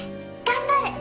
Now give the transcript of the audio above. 頑張れる。